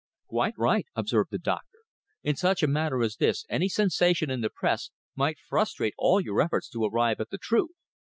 "Quite right," observed the doctor. "In such a matter as this any sensation in the Press might frustrate all your efforts to arrive at the truth."